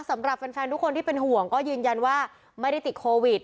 สำหรับแฟนทุกคนที่เป็นห่วงก็ยืนยันว่าไม่ได้ติดโควิด